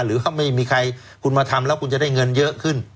หรือว่าไม่มีใครคุณมาทำแล้วคุณจะได้เงินเยอะขึ้น